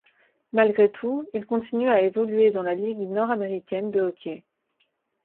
Malgré tout, il continue à évoluer dans la Ligue nord-américaine de hockey.